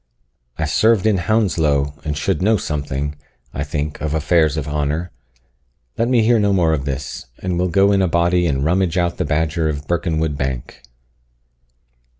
I served in Hounslow, and should know something, I think, of affairs of honour. Let me hear no more of this, and we'll go in a body and rummage out the badger in Birkenwood bank."